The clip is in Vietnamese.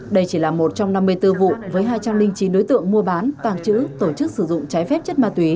đây chỉ là một trong năm mươi bốn vụ với hai trăm linh chín đối tượng mua bán tàng trữ tổ chức sử dụng trái phép chất ma túy